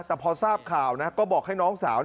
แต่พอทราบข่าวนะก็บอกให้น้องสาว